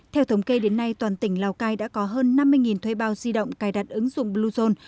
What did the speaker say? theo thống kê đến nay toàn tỉnh lào cai đã có hơn năm mươi thuê bao di động cài đặt ứng dụng bluezone